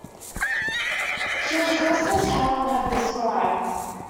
She was dressed as Helene had described.